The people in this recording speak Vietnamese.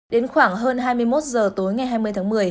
đến khoảng hơn hai mươi một h tối ngày hai mươi tháng một mươi